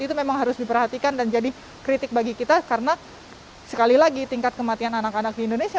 itu memang harus diperhatikan dan jadi kritik bagi kita karena sekali lagi tingkat kematian anak anak di indonesia